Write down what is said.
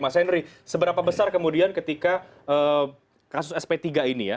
mas henry seberapa besar kemudian ketika kasus sp tiga ini ya